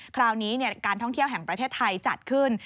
คราวนี้การท่องเที่ยวแห่งประเทศไทยจัดขึ้น